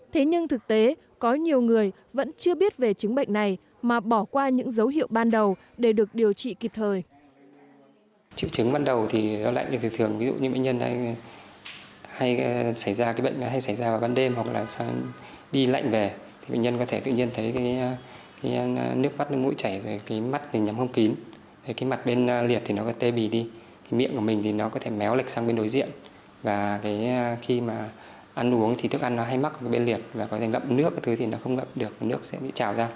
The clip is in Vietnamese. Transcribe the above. thế nhưng thực tế có nhiều người vẫn chưa biết về chứng bệnh này mà bỏ qua những dấu hiệu ban đầu để được điều trị kịp thời